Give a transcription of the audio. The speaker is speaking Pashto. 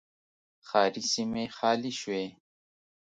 ښاري سیمې خالي شوې.